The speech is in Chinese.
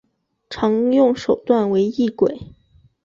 常用手段为异轨。